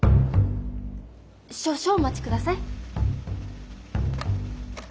少々お待ちください。